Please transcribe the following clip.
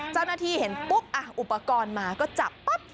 เจ้าหน้าที่เห็นปุ๊บอุปกรณ์มาก็จับปั๊บ